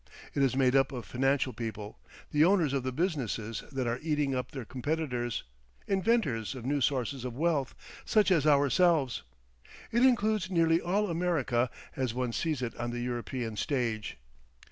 It is made up of financial people, the owners of the businesses that are eating up their competitors, inventors of new sources of wealth, such as ourselves; it includes nearly all America as one sees it on the European stage.